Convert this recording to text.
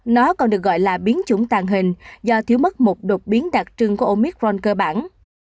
nó còn được gọi là biến chủng tàn hình do thiếu mất một đột biến đặc trưng của omicron cơ bản